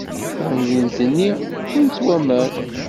Tamdint-nni wwin-tt waman!